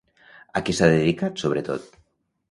A què s'ha dedicat sobretot?